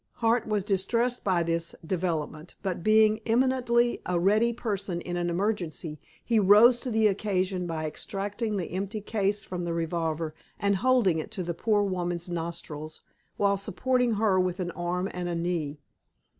Hart was distressed by this development, but, being eminently a ready person in an emergency, he rose to the occasion by extracting the empty case from the revolver, and holding it to the poor woman's nostrils, while supporting her with an arm and a knee.